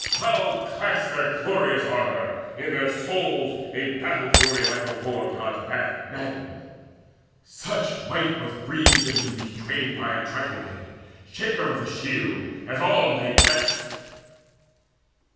Loud clashed their glorious armour: in their souls A battle fury like the War god's wrath Maddened; such might was breathed into these twain By Atrytone, Shaker of the Shield, As on they pressed.